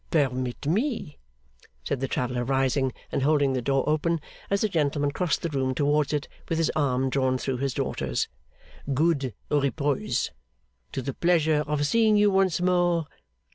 'Permit me!' said the traveller, rising and holding the door open, as the gentleman crossed the room towards it with his arm drawn through his daughter's. 'Good repose! To the pleasure of seeing you once more!